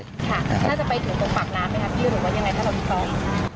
น่าจะไปถึงตรงปากน้ำไหมคะพี่หรือว่ายังไงถ้าเรามีกล้อง